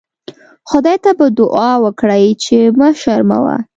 خدای ته به دوعا وکړئ چې مه شرموه.